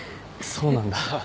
そうなんだ。